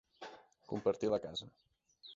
Compartir la casa.